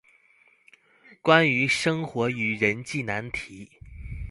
關於生活與人際難題